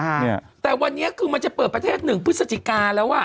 จริงแต่วันนี้คือมันจะเปิดประเทศ๑พฤศจิกาแล้วอะ